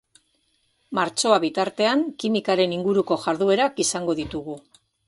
Martxoa bitartean kimikaren inguruko jarduerak izango ditugu.